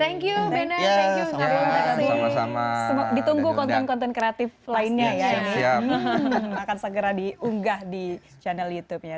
thank you bener bener sama sama ditunggu konten konten kreatif lainnya ya akan segera diunggah di channel